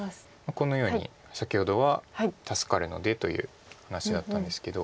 このように先ほどは助かるのでという話だったんですけど。